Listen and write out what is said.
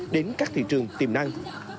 đến các thị trường tiềm năng